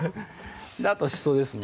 あとしそですね